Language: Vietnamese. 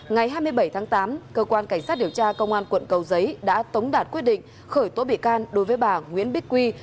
ngày hai mươi bảy tháng tám cơ quan cảnh sát điều tra công an quận cầu giấy đã tống đạt quyết định khởi tố bị can đối với bà nguyễn bích quy